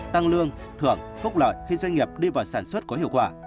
tăng lương thưởng phúc lợi khi doanh nghiệp đi vào sản xuất có hiệu quả